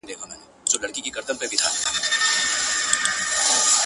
وارخطا سو ویل څه غواړې په غره کي!.